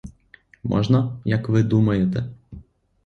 Можна, як ви думаєте?